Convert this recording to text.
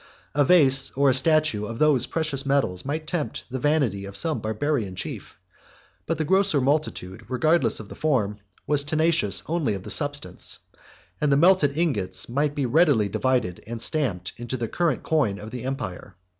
A vase or a statue of those precious metals might tempt the vanity of some Barbarian chief; but the grosser multitude, regardless of the form, was tenacious only of the substance; and the melted ingots might be readily divided and stamped into the current coin of the empire.